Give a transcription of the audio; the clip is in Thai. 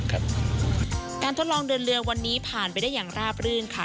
ทดลองเดินเรือวันนี้ผ่านไปได้อย่างราบรื่นค่ะ